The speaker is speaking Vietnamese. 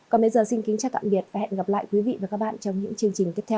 còn bây giờ xin kính chào tạm biệt và hẹn gặp lại quý vị và các bạn trong những chương trình tiếp theo